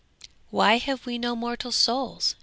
'Why have we no immortal souls?'